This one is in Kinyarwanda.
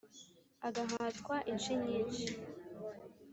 Agahatwa inshyi nyinshi